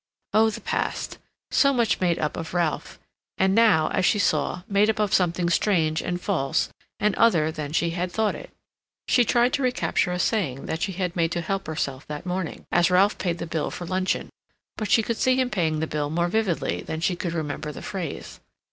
Oh, the past—so much made up of Ralph; and now, as she saw, made up of something strange and false and other than she had thought it. She tried to recapture a saying she had made to help herself that morning, as Ralph paid the bill for luncheon; but she could see him paying the bill more vividly than she could remember the phrase.